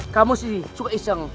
kamu sih suka iseng